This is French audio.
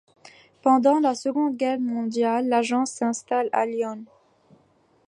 Pendant la Seconde Guerre mondiale, l'agence s'installe à Lyon.